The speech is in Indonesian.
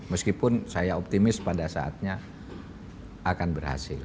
meskipun saya optimis pada saatnya akan berhasil